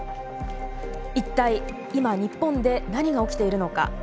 一体、今、日本で何が起きているのか。